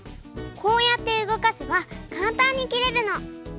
こうやってうごかせばかんたんにきれるの。